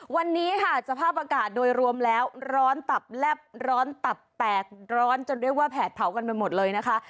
วันนี้ค่ะสภาพอากาศโดยรวมแล้วร้อนตับแลบร้อนตับแตกร้อนจนเรียกว่าแผดเผากันไปหมดเลยนะคะ